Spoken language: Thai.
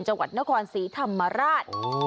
จังหวัดนครศรีธรรมราช